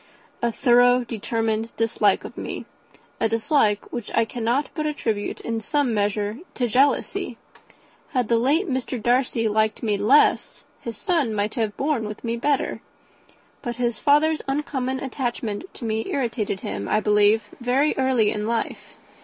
"A thorough, determined dislike of me a dislike which I cannot but attribute in some measure to jealousy. Had the late Mr. Darcy liked me less, his son might have borne with me better; but his father's uncommon attachment to me irritated him, I believe, very early in life.